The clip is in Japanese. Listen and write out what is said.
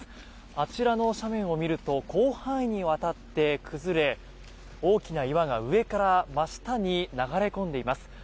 あちらの斜面を見ると広範囲にわたって崩れ大きな岩が上から真下に流れ込んでいます。